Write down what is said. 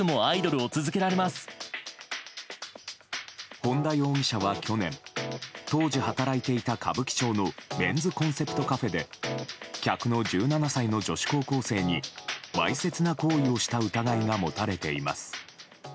本田容疑者は去年当時働いていた歌舞伎町のメンズコンセプトカフェで客の１７歳の女子高校生にわいせつな行為をした疑いが持たれています。